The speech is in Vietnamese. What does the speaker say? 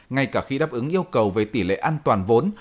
ngay cả khi đáp ứng yêu cầu về tỷ lệ an toàn vốn